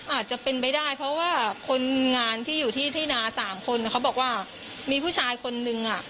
อาจจะเป็นไปได้เพราะว่าคนงานที่อยู่ที่นาสามคนเขาบอกว่ามีผู้ชายคนนึงอ่ะ